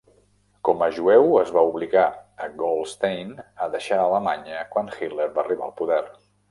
Com a jueu, es va obligar a Goldstein a deixar Alemanya quan Hitler va arribar al poder.